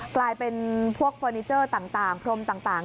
กลายเป็นพวกเฟอร์นิเจอร์ต่างพรมต่าง